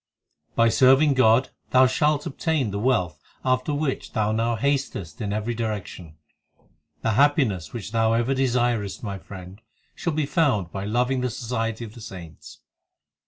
2 By serving God thou shalt obtain the wealth After which thou now hastest in every direction. The happiness which thou ever desirest, my friend, Shall be found by loving the society of the saints.